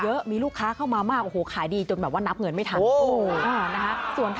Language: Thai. ยังงานคนที่ลูกค้าเข้ามามากค่าดีจนแบบว่านับเงินไม่ทัน